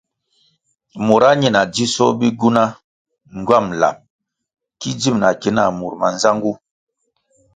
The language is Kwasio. Mura ñina dzisoh bigywuna ngywam lab ki dzim na ki nah mur manzangu.